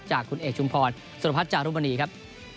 จากคุณเอกชุมพรสุดพัฒน์จากรุณบรรดีครับ